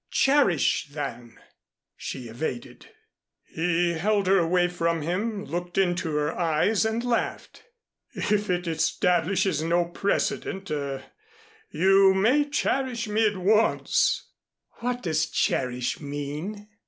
"Cherish, then," she evaded. He held her away from him, looked into her eyes and laughed. "If it establishes no precedent er you may cherish me at once." "What does cherish mean?"